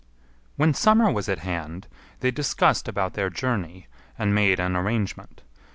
When summer was at hand they discussed about their journey, and made an arrangement.